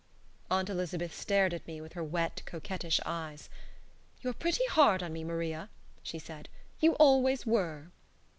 Aunt Elizabeth stared at me with her wet, coquettish eyes. "You're pretty hard on me, Maria," she said; "you always were."